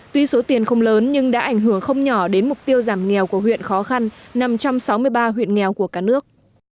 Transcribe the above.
tuy số tiền không lớn nhưng đã ảnh hưởng không nhỏ đến mục tiêu giảm nghèo của huyện khó khăn nằm trong sáu mươi ba huyện nghèo của cả nước